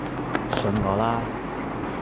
信我啦